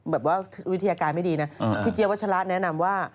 วิทยาการไม่ดีนะพี่เจี๊ยวัชละแนะนำว่า